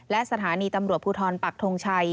และสถานีตำรวจภูทรปักทงชัย